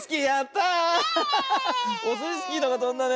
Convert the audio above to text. オスイスキーのがとんだね。